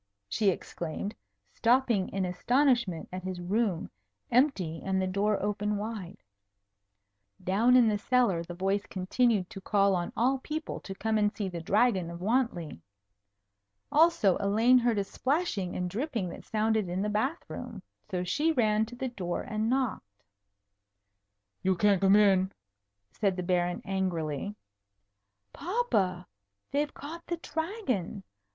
she exclaimed, stopping in astonishment at his room, empty and the door open wide. Down in the cellar the voice continued to call on all people to come and see the Dragon of Wantley. Also Elaine heard a splashing and dripping that sounded in the bath room. So she ran to the door and knocked. "You can't come in!" said the Baron angrily. "Papa! They've caught the Dragon.